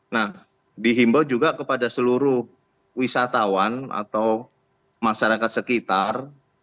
nah dihimbau juga kepada seluruh wisatawan atau masyarakat sekitar